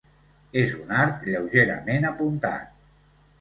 És un arc lleugerament apuntat.